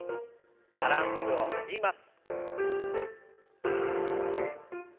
バランスをとります。